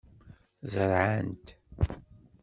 Zerɛent.